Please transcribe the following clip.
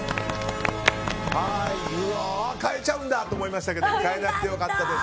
変えちゃうんだと思いましたけど変えなくてよかったです。